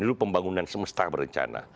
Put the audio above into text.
dulu pembangunan semesta berencana